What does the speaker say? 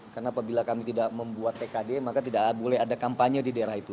karena apabila kami tidak membuat tkd maka tidak boleh ada kampanye di daerah itu